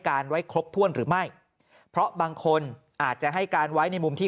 ไว้ครบถ้วนหรือไม่เพราะบางคนอาจจะให้การไว้ในมุมที่